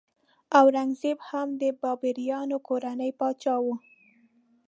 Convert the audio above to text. اورنګ زیب هم د بابریانو کورنۍ پاچا شو.